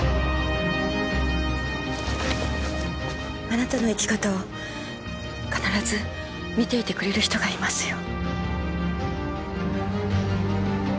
あなたの生き方を必ず見ていてくれる人がいますよ。